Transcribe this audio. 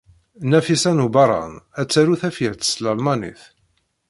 Nafisa n Ubeṛṛan ad taru tafyirt s tlalmanit.